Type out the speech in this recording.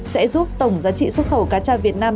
sẽ giúp tổng giá trị xuất khẩu cá tra việt nam